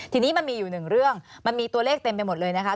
ทีนี้มันมีอยู่หนึ่งเรื่องมันมีตัวเลขเต็มไปหมดเลยนะคะ